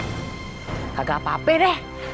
kagak apa apa deh